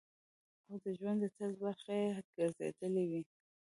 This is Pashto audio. او د ژوند د طرز برخه ئې ګرځېدلي وي -